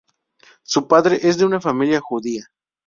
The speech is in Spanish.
Su padre es de una familia judía.